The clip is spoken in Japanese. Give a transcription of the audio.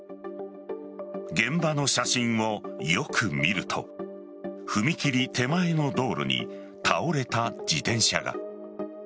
現場の写真をよく見ると踏切手前の道路に倒れた自転車が。